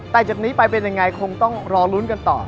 แต่จากนี้ไปเป็นยังไงคงต้องรอลุ้นกันต่อ